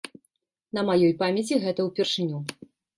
На маёй памяці гэта ўпершыню.